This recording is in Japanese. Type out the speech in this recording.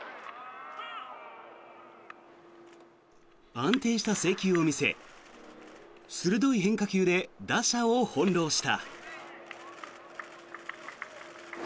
安定した制球を見せ鋭い変化球で打者を翻ろうした。